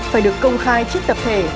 phải được công khai trước tập thể